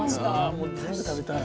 あもう全部食べたい。